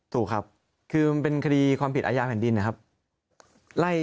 ถูกครับคือมันเป็นคดีความผิดอาญาแผ่นดินนะครับ